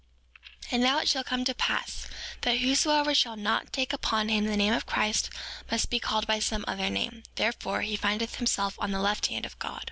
5:10 And now it shall come to pass, that whosoever shall not take upon him the name of Christ must be called by some other name; therefore, he findeth himself on the left hand of God.